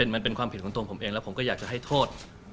มันเป็นความผิดของตัวผมเองแล้วผมก็อยากจะให้โทษ